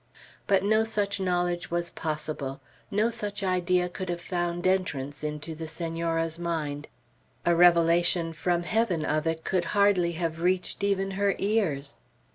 But no such knowledge was possible; no such idea could have found entrance into the Senora's mind. A revelation from Heaven of it could hardly have reached even her ears.